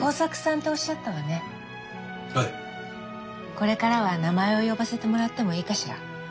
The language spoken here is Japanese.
これからは名前を呼ばせてもらってもいいかしら？